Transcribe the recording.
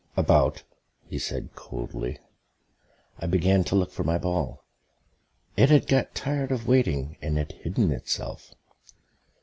"About," he said coldly. I began to look for my ball. It had got tired of waiting and had hidden itself.